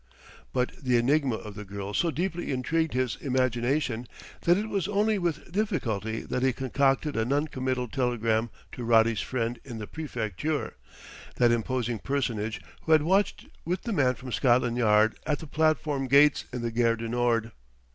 But the enigma of the girl so deeply intrigued his imagination that it was only with difficulty that he concocted a non committal telegram to Roddy's friend in the Prefecture that imposing personage who had watched with the man from Scotland Yard at the platform gates in the Gare du Nord.